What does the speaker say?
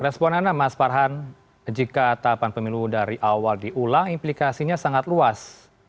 respon anda mas farhan jika tahapan pemilu dari awal diulang implikasinya sangat luas